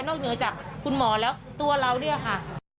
เหนือจากคุณหมอแล้วตัวเราเนี่ยค่ะ